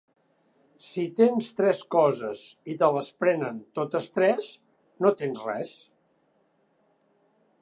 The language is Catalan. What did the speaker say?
Si tens tres coses i te les prenen totes tres, no tens res.